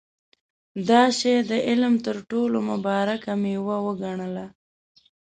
دا شی د علم تر ټولو مبارکه مېوه وګڼله.